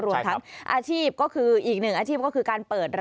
รวมทั้งอาชีพก็คืออีกหนึ่งอาชีพก็คือร้านแต่งรถ